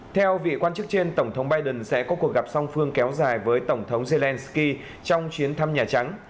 theo vị quan chức trên tổng thống biden sẽ có cuộc gặp song phương kéo dài với tổng thống zelensky trong chuyến thăm nhà trắng